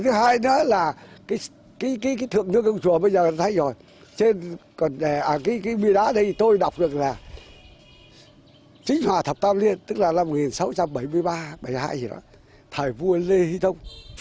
thứ hai nữa là cái thượng như công chùa bây giờ thấy rồi cái bia đá này tôi đọc được là chính hòa thập tam liên tức là năm một nghìn sáu trăm bảy mươi ba bảy mươi hai gì đó thầy vua lê huy thông